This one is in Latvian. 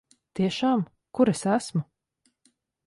Tiešām? Kur es esmu?